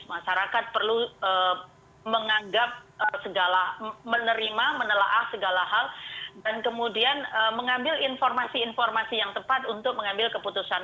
masyarakat perlu menganggap segala menerima menelaah segala hal dan kemudian mengambil informasi informasi yang tepat untuk mengambil keputusan